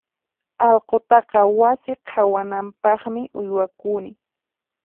Allqutaqa wasi qhawanampaqmi uywakuni.